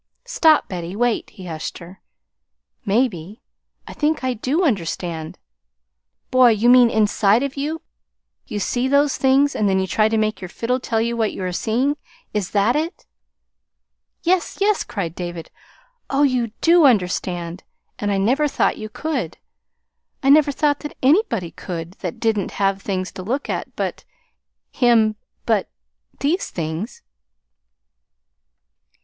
"Stop, Betty, wait," he hushed her. "Maybe I think I DO understand. Boy, you mean INSIDE of you, you see those things, and then you try to make your fiddle tell what you are seeing. Is that it?" "Yes, yes," cried David. "Oh, you DO understand. And I never thought you could. I never thought that anybody could that did n't have anything to look at but him but these things."